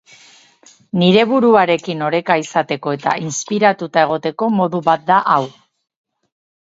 Nire buruarekin oreka izateko eta inspiratuta egoteko modu bat da hau.